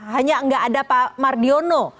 hanya nggak ada pak mardiono